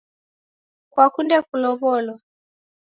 Kwakunde kulow'olwa?